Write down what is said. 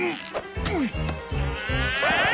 うっ！